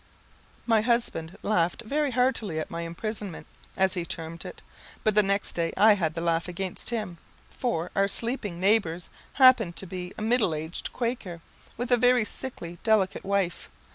My husband laughed very heartily at my imprisonment, as he termed it; but the next day I had the laugh against him, for our sleeping neighbours happened to be a middle aged Quaker, with a very sickly delicate wife.